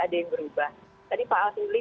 ada yang berubah tadi pak alvin li